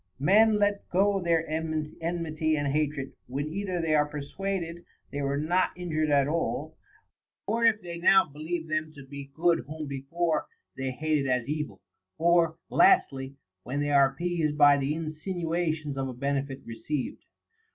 Men let go their enmity and hatred, when either they are persuaded they were not injured at all, or if they now believe them to be good whom before they hated as evil, or, lastly, when they are appeased by the insinuations of a benefit received.